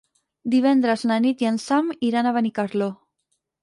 Divendres na Nit i en Sam iran a Benicarló.